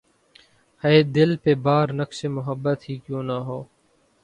ہے دل پہ بار‘ نقشِ محبت ہی کیوں نہ ہو